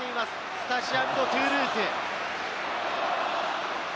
スタジアム・ド・トゥールーズ。